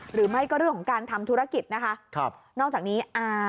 หรือไม่ก็เรื่องของการทำธุรกิจนะคะครับนอกจากนี้อ่า